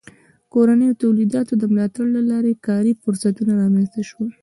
د کورنیو تولیداتو د ملاتړ له لارې کاري فرصتونه رامنځته سول.